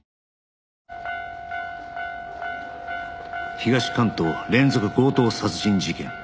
東関東連続強盗殺人事件